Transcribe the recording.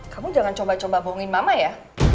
kamu jangan coba coba bohongin mama ya